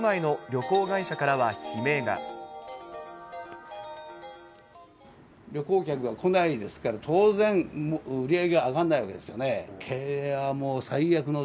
旅行客が来ないですから、当然売り上げは上がんないわけですよね。